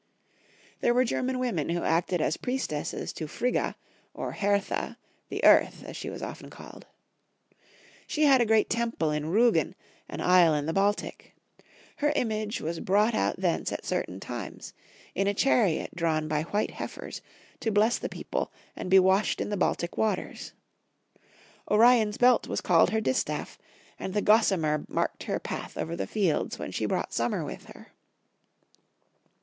There were German women who acted as priest esses to Frigga, or Hertha, the Earth, as she was often called. She had a great temple in Rugen, an isle in the Baltic ; her image Avas brought out thence at certain times, in a chariot drawn by white heifers, to bless the people and be washed in the Baltic waters. Orion's belt was called her distaff, and the gossamer marked her path over the fields when she brought summer with her.